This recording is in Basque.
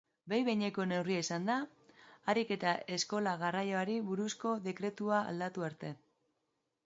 Behin-behineko neurria izango da, harik eta eskola-garraioari buruzko dekretua aldatu arte.